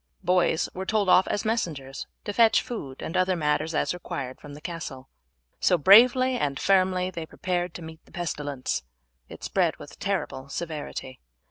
Boys were told off as messengers to fetch food and other matters as required from the castle. So, bravely and firmly, they prepared to meet the pestilence; it spread with terrible severity.